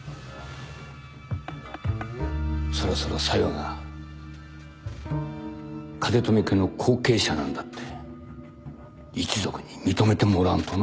そろそろ小夜が風富家の後継者なんだって一族に認めてもらわんとな